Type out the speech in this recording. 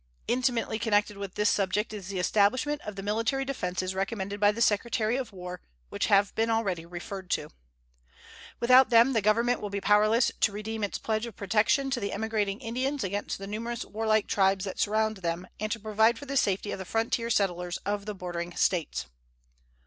Intimately connected with this subject is the establishment of the military defenses recommended by the Secretary of War, which have been already referred to. Without them the Government will be powerless to redeem its pledge of protection to the emigrating Indians against the numerous warlike tribes that surround them and to provide for the safety of the frontier settlers of the bordering States.